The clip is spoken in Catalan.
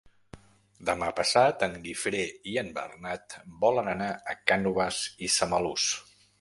Demà passat en Guifré i en Bernat volen anar a Cànoves i Samalús.